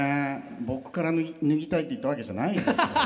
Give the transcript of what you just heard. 僕から脱ぎたいって言ったわけじゃないんですよね。